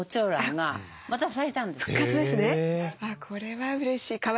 これはうれしい。